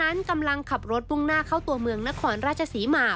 นั้นกำลังขับรถมุ่งหน้าเข้าตัวเมืองนครราชศรีมา